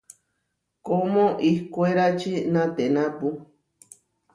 Kómo ihkwérači naténapu.